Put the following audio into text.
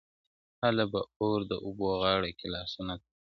هله به اور د اوبو غاړه کي لاسونه تاؤ کړي.